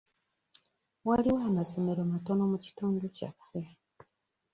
Waliwo amasomero matono mu kitundu kyaffe.